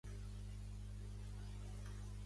Ha estat internacional iugoslau en una ocasió.